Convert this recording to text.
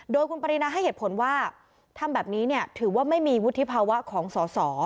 โดยคุณปรินาให้เหตุผลว่าทำแบบนี้ถือว่าไม่มีวุฒิภาวะของสอสอ